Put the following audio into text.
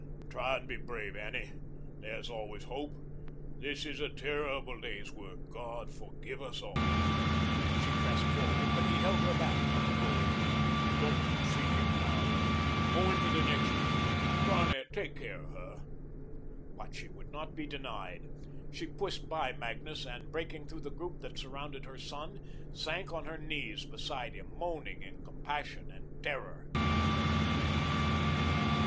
Try and be brave, Annie. There is always hope. This is a terrible day's work. God forgive us all." She pressed forward, but he held her back. "No, don't see him now. Go into the next room. Garnett, take care of her." But she would not be denied. She pushed by Magnus, and, breaking through the group that surrounded her son, sank on her knees beside him, moaning, in compassion and terror.